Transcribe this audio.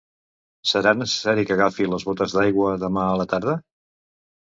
Serà necessari que agafi les botes d'aigua demà a la tarda?